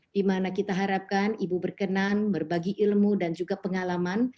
dimana kita harapkan ibu berkenan berbagi ilmu dan juga pengalaman